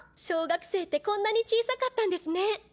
小学生ってこんなに小さかったんですね。